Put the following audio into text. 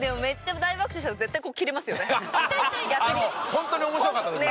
ホントに面白かった時ね。